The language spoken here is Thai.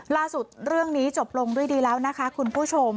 ล่าสุดเรื่องนี้จบลงด้วยดีแล้วนะคะคุณผู้ชม